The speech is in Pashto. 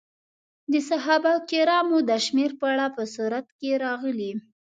د صحابه کرامو د شمېر په اړه په سورت کې راغلي.